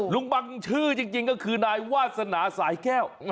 ลุงบังชื่อจริงก็คือนายวาสนาสายแก้ว